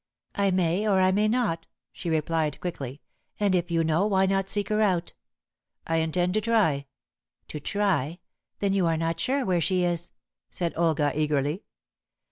"I may, or I may not," she replied quickly; "and if you know, why not seek her out?" "I intend to try." "To try! Then you are not sure where she is?" said Olga eagerly.